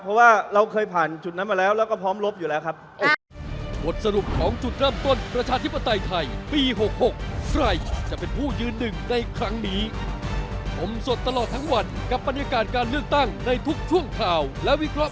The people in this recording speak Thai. เพราะว่าเราเคยผ่านจุดนั้นมาแล้วแล้วก็พร้อมลบอยู่แล้วครับ